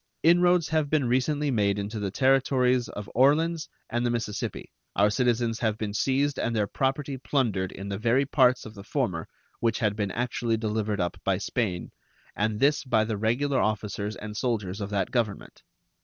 Inroads have been recently made into the Territories of Orleans and the Mississippi, our citizens have been seized and their property plundered in the very parts of the former which had been actually delivered up by Spain, and this by the regular officers and soldiers of that Government.